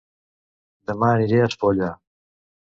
Dema aniré a Espolla